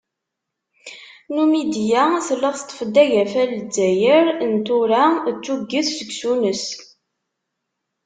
Numidya tella teṭṭef-d agafa n Lezzayer n tura d tuget seg Tunes.